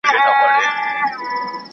¬ اوبه د لويه سره خړي دي.